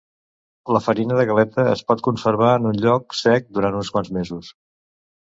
La farina de galeta es pot conservar en un lloc sec durant uns quants mesos.